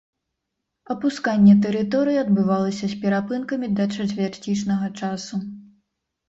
Апусканне тэрыторыі адбывалася з перапынкамі да чацвярцічнага часу.